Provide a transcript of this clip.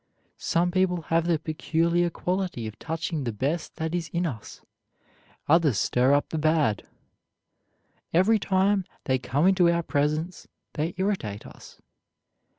Some people have the peculiar quality of touching the best that is in us; others stir up the bad. Every time they come into our presence they irritate us.